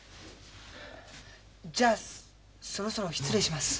じゃあそろそろ失礼します。